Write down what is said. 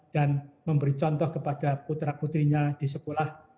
dan memberi contoh kepada putra putrinya di sekolah